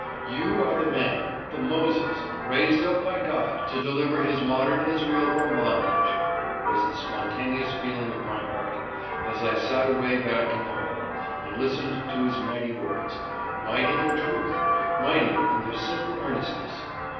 " You are the man — the Moses, raised up by God, to deliver his modern Israel from bondage," was the spontaneous feeling of my heart, as I sat away back in the hall and listened to his mighty words, — mighty in truth, — mighty in their simple earnestness.